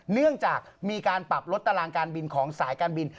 เนื่องจากมีการปรับลดตารางการบินของสายการบิน